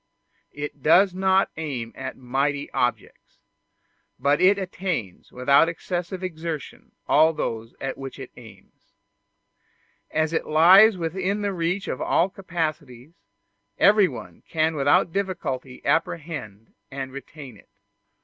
It does not aim at mighty objects, but it attains without excessive exertion all those at which it aims. As it lies within the reach of all capacities, everyone can without difficulty apprehend and retain it.